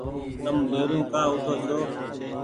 تم ديرو ڪآ اوٺو ڇو ۔